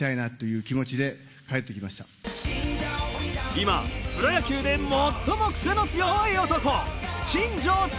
今プロ野球でもっともクセの強い男。